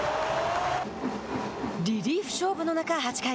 リリーフ勝負の中、８回。